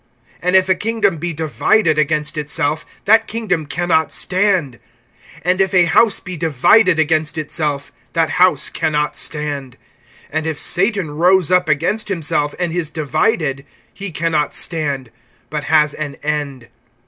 (24)And if a kingdom be divided against itself, that kingdom can not stand. (25)And if a house be divided against itself, that house can not stand. (26)And if Satan rose up against himself, and is divided, he can not stand, but has an end.